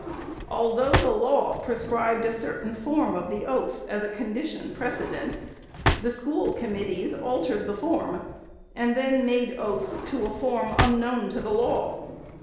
Although the law prescribed a certain form of oath as a condition precedent, the school committees altered the form, and then made oath to a form unknown to the law.